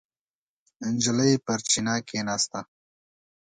نجلۍ پر چینه کېناسته.